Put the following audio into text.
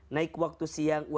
naik waktu siang